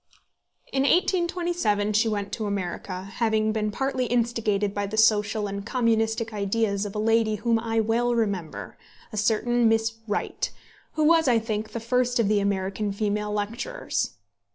In 1827 she went to America, having been partly instigated by the social and communistic ideas of a lady whom I well remember, a certain Miss Wright, who was, I think, the first of the American female lecturers.